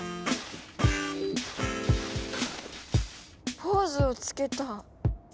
ポーズをつけた。